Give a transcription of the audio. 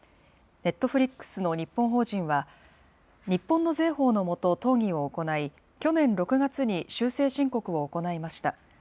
ネットフリックスの日本法人は、日本の税法のもと討議を行い、去年６月に修正申告を行いました。